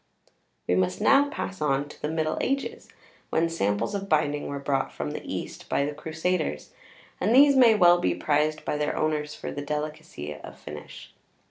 We must now pass on to the middle ages, when samples of binding were brought from the East by the crusaders, and these may well be prized by their owners for their delicacy of finish.